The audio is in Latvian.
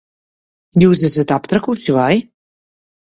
Jūs esat aptrakuši, vai?